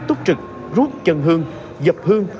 túc trực rút chân hương dập hương